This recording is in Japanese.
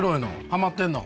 ハマってんの？